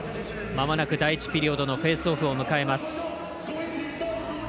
まもなく第１ピリオドのフェースオフを迎えます。